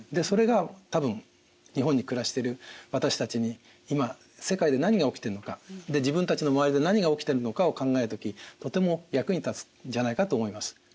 それが多分日本に暮らしてる私たちに今世界で何が起きてるのか自分たちの周りで何が起きてるのかを考える時とても役に立つじゃないかと思います。